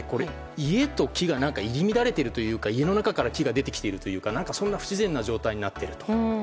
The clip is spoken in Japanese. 家と木が入り乱れているというか家の中から木が出てきている不自然な状態になっている。